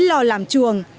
do làm trường